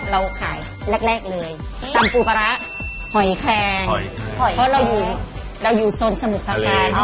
เราขายแรกเลยตำปูปลาร้าหอยแคงหอยเพราะเราอยู่โซนสมุทรประการ